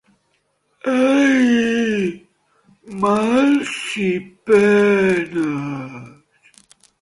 Ai, mals i penes!